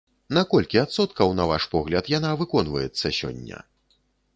На колькі адсоткаў, на ваш погляд, яна выконваецца сёння?